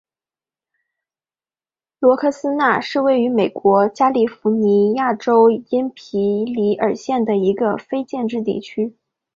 罗斯科纳是位于美国加利福尼亚州因皮里尔县的一个非建制地区。